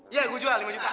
iya gua jual lima juta